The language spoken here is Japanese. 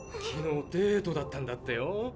昨日デートだったんだってよ。